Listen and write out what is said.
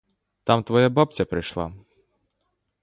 Там твоя бабця прийшла.